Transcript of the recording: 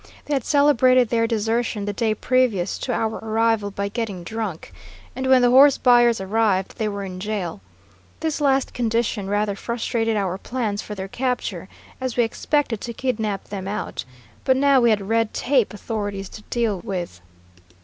They had celebrated their desertion the day previous to our arrival by getting drunk, and when the horse buyers arrived they were in jail. This last condition rather frustrated our plans for their capture, as we expected to kidnap them out. But now we had red tape authorities to deal with.